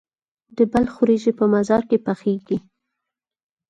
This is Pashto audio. د بلخ وریجې په مزار کې پخیږي.